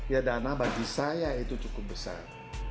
ya dana bagi saya itu cukup besar